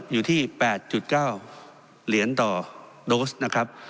อยู่ที่๘๙เหรียญต่อโดสนะครับ